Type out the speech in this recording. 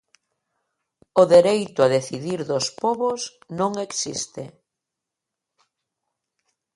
O dereito a decidir dos pobos non existe.